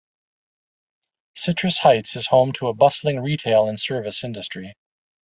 Citrus Heights is home to a bustling retail and service industry.